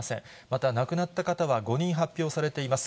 また、亡くなった方は５人発表されています。